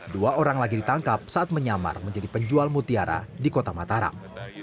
dua orang lagi ditangkap saat menyamar menjadi penjual mutiara di kota mataram